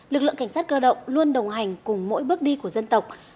lực lượng cảnh sát cơ động luôn đồng hành cùng mỗi bước đi của dân tộc